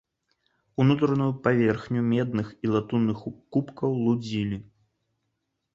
Унутраную паверхню медных і латунных кубкаў лудзілі.